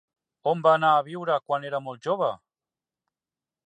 On va anar a viure quan era molt jove?